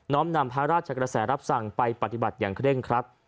้อมนำพระราชกระแสรับสั่งไปปฏิบัติอย่างเร่งครัด